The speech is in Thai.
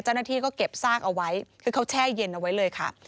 เจ้าหน้าที่ก็เก็บซากเอาไว้คือเขาแช่เย็นเอาไว้เลยค่ะ